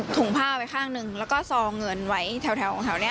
ถุงผ้าไว้ข้างหนึ่งแล้วก็ซองเงินไว้แถวของแถวเนี้ย